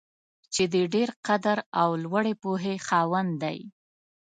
چې د ډېر قدر او لوړې پوهې خاوند دی.